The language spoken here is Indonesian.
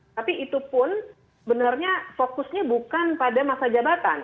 tapi itu pun benarnya fokusnya bukan pada masa jabatan